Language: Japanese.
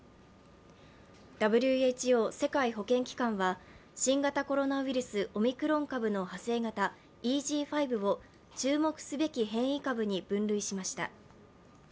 ＷＨＯ＝世界保健機関は新型コロナウイルス、オミクロン株の派生型、ＥＧ．５を注目すべき変異株に分類しました。